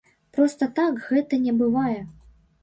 Проста так гэта не бывае.